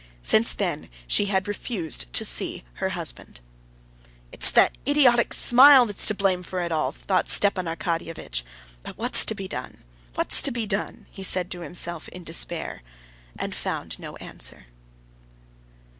Since then she had refused to see her husband. "It's that idiotic smile that's to blame for it all," thought Stepan Arkadyevitch. "But what's to be done? What's to be done?" he said to himself in despair, and found no answer.